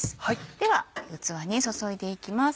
では器に注いでいきます。